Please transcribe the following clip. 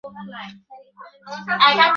এবার বাপু ওর বিয়ে দেওয়া দরকার।